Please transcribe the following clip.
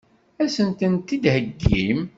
Ad sen-tent-id-theggim?